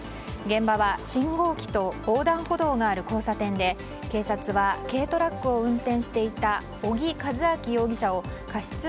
現場は信号機と横断歩道がある交差点で警察は軽トラックを運転していた小城一晃容疑者を過失